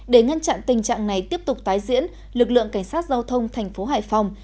để ngăn chặn tình trạng này tiếp tục tái diễn lực lượng cảnh sát giao thông thành phố hải phòng